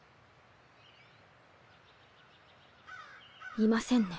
いませんね。